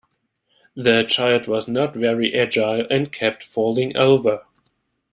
The child was not very agile, and kept falling over